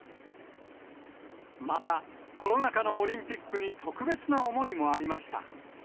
また、コロナ禍のオリンピックに特別な思いもありました。